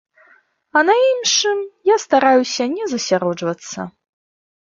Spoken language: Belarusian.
А на іншым я стараюся не засяроджвацца.